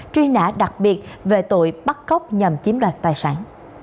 truy nã đặc biệt về tội bắt cóc nhằm chiếm đoạt tài sản